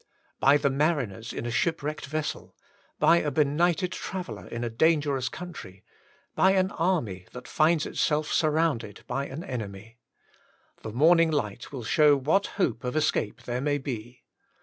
By the mariners in a shipwrecked vessel; by a be nighted traveller in a dangerous country; by an army that finds itself surrounded by an enemy. The morning light will show what hope of escape there may be.